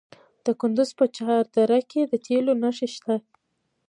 د کندز په چهار دره کې د تیلو نښې شته.